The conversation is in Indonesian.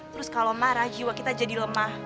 terus kalau marah jiwa kita jadi lemah